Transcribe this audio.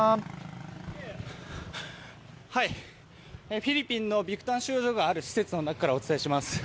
フィリピンのビクタン収容所がある施設からお伝えします。